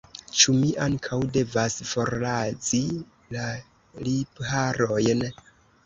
Ĉu mi ankaŭ devas forrazi la lipharojn?